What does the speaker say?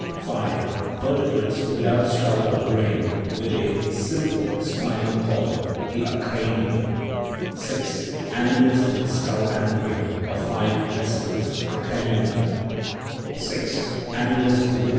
V. Vertebrates without skull or brain, with a simple spinal cord: the acrania. VI. Animals with skull and brain (of five vesicles) : the craniota.